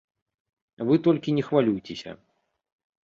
Вы толькі не хвалюйцеся.